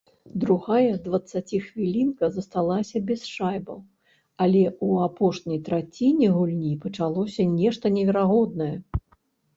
Другая дваццаціхвілінка засталася без шайбаў, але ў апошняй траціне гульні пачалося нешта неверагоднае.